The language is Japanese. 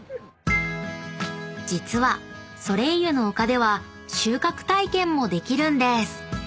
［実はソレイユの丘では収穫体験もできるんです］